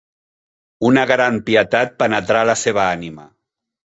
Una gran pietat penetrà la seva ànima.